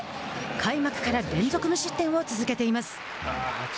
開幕から連続無失点を続けています。